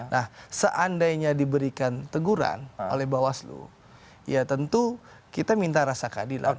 nah seandainya diberikan teguran oleh bawaslu ya tentu kita minta rasa keadilan